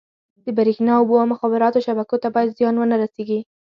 د بریښنا، اوبو او مخابراتو شبکو ته باید زیان ونه رسېږي.